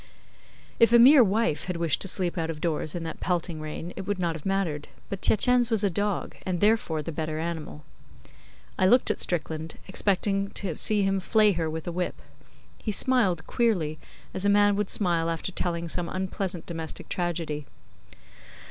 If a mere wife had wished to sleep out of doors in that pelting rain it would not have mattered; but Tietjens was a dog, and therefore the better animal. I looked at Strickland, expecting to see him flay her with a whip. He smiled queerly, as a man would smile after telling some unpleasant domestic tragedy.